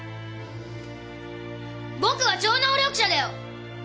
僕は超能力者だよ！